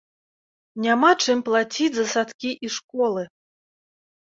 Няма чым плаціць за садкі і школы!